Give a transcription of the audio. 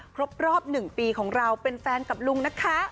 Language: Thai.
ครบรอบ๑ปีของเราเป็นแฟนกับลุงนะคะ